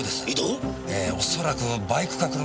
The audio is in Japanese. ええ恐らくバイクか車で。